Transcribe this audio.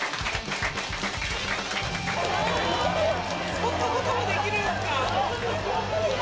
そんなこともできるんですか？